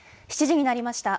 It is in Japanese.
７時になりました。